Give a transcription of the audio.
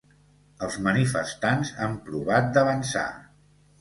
els manifestants han provat d'avançar